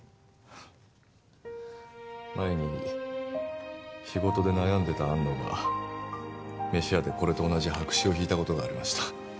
前に仕事で悩んでた安野が飯屋でこれと同じ白紙を引いたことがありました